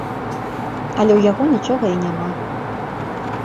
Але ў яго нічога і няма!